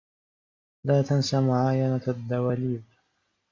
لا تنس معاينة الدّواليب.